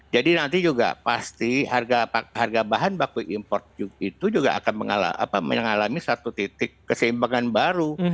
jadi nanti juga pasti harga bahan baku import itu juga akan mengalami satu titik keseimbangan baru